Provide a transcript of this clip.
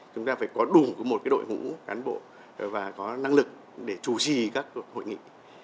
chúng ta phải có đủ một đội ngũ cán bộ và có năng lực để chủ trì các hội nghị